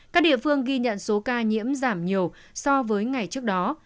các địa phương ghi nhận số ca nhiễm giảm nhiều so với ngày trước đó